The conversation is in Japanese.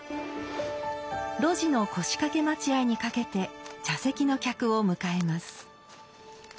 露地の腰掛待合にかけて茶席の客を迎えます。